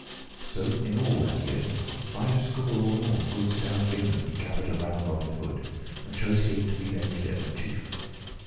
So, in all that year, fivescore or more good stout yeomen gathered about Robin Hood, and chose him to be their leader and chief.